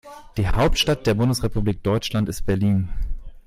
Die Hauptstadt der Bundesrepublik Deutschland ist Berlin